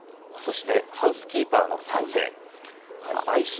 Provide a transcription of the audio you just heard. そしてハウスキーパーのサンセイ。